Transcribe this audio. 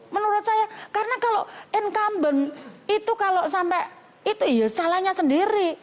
menurut saya karena kalau incumbent itu kalau sampai itu ya salahnya sendiri